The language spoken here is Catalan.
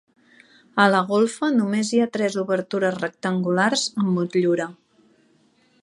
A la golfa només hi ha tres obertures rectangulars amb motllura.